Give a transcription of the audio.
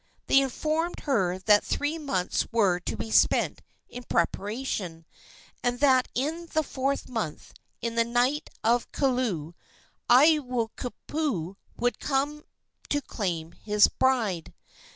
They informed her that three months were to be spent in preparation, and that in the fourth month, in the night of kulu, Aiwohikupua would come to claim his bride.